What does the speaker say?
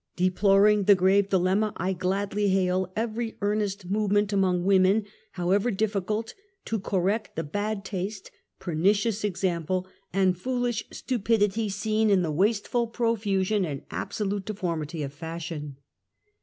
Deploring the grave dilemma, I gladly hail every earnest movement among women, however difficult, to correct the bad taste, pernicious example and foolish stupidity seen in the wasteful profusion and absolute deformity of fashion.